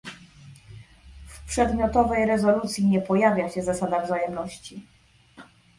w przedmiotowej rezolucji nie pojawia się zasada wzajemności